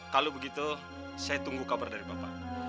kalau begitu saya tunggu kabar dari bapak